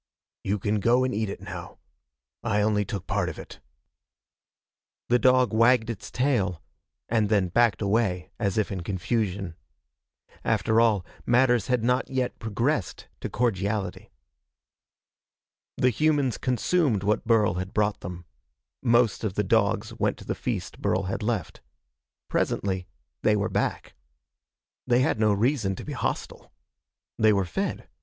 "You can go and eat it now. I took only part of it." The dog wagged its tail and then backed away as if in confusion. After all, matters had not yet progressed to cordiality. The humans consumed what Burl had brought them. Most of the dogs went to the feast Burl had left. Presently they were back. They had no reason to be hostile. They were fed.